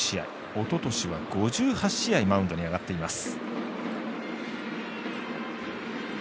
おととしは５８試合マウンドに上がっています。